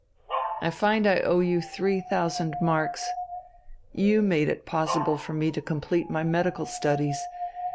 I find I owe you three thousand marks. You made it possible for me to complete my medical studies.